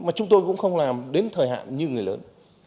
mà chúng tôi cũng không làm đến thời hạn như người lớn